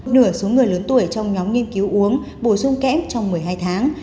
nửa số người lớn tuổi trong nhóm nghiên cứu uống bổ sung kép trong một mươi hai tháng